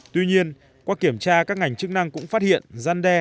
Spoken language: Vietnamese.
tuy nhiên qua kiểm tra các ngành chức năng cũng phát hiện gian đe